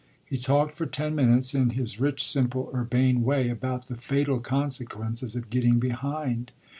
He talked for ten minutes, in his rich, simple, urbane way, about the fatal consequences of getting behind.